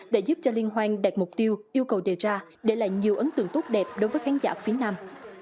để giúp cho liên hoan đạt mục tiêu yêu cầu đề ra để lại nhiều ấn tượng tốt đẹp đối với khán giả phía nam